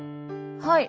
はい。